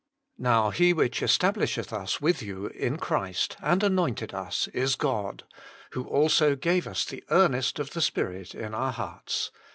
"Now He which establisheth us with you in Christ, and anointed us, is God ; who also gave us the earnest of the Spirit in our hearts."